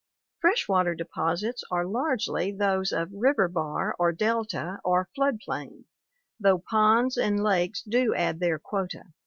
Fresh water deposits are largely those of river bar or delta or flood plain, though ponds and lakes do add their quota.